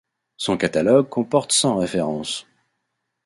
Son catalogue comporte cent références.